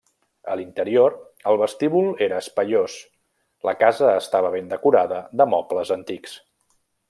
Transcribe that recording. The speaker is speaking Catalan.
A l'interior, el vestíbul era espaiós, la casa estava ben decorada de mobles antics.